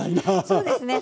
そうですね